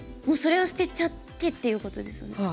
もうそれは捨てちゃってっていうことですね